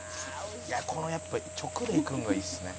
いやこのやっぱ直でいくのがいいっすね」